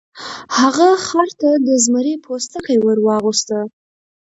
هغه خر ته د زمري پوستکی ور واغوسته.